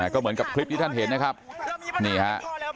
ก็เหมือนกับคลิปที่ท่านเห็นนะครับนี่ฮะ